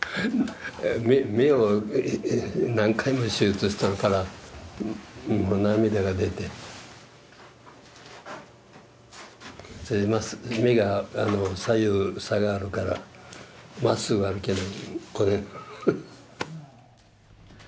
目を何回も手術しとるからもう涙が出て目が左右差があるから真っすぐ歩けない